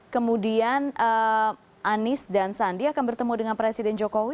kemudian anies dan sandi akan bertemu dengan presiden jokowi